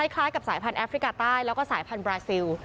คล้ายกับสายพันธแอฟริกาใต้แล้วก็สายพันธบราซิล